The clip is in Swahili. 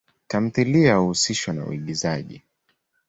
Tamthilia huhusishwa na uigizaji.